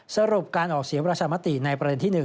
สรุปการออกเสียงประชามติในประเด็นที่๑